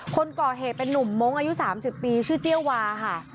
คนก่อเหตุเป็นนุ่มมงค์อายุ๓๐ปีชื่อเจี้ยวาค่ะ